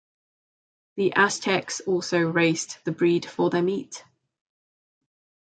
The Aztecs also raised the breed for their meat.